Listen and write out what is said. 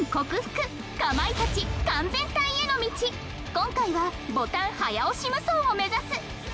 今回はボタン早押し無双を目指す！